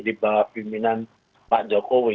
di bawah pimpinan pak jokowi